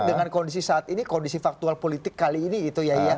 dengan kondisi saat ini kondisi faktual politik kali ini gitu ya